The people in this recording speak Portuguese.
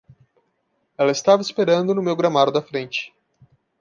Ela estava esperando no meu gramado da frente.